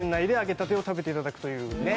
店内で揚げたてを食べていただくという。